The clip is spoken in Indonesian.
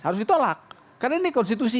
harus ditolak karena ini konstitusi